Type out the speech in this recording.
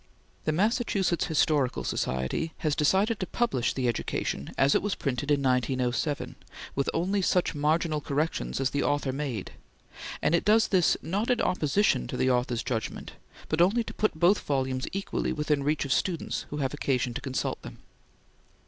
The Massachusetts Historical Society now publishes the "Education" as it was printed in 1907, with only such marginal corrections as the author made, and it does this, not in opposition to the author's judgment, but only to put both volumes equally within reach of students who have occasion to consult them.